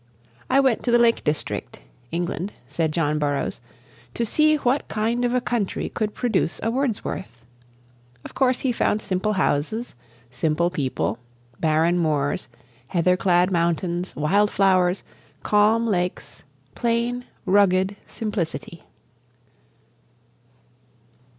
"I went to the Lake District" (England), said John Burroughs, "to see what kind of a country could produce a Wordsworth." Of course he found simple houses, simple people, barren moors, heather clad mountains, wild flowers, calm lakes, plain, rugged simplicity.